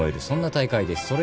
そんな大会です。